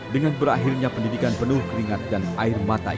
dengan berakhirnya pendidikan penuh keringat dan air mata